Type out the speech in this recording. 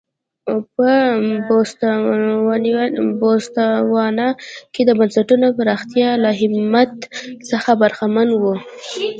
په بوتسوانا کې د بنسټونو پراختیا له اهمیت څخه برخمن و.